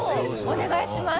お願いします！